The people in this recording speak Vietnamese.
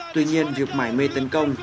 tuy nhiên việc mãi mê tấn công